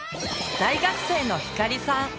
大学生のひかりさん。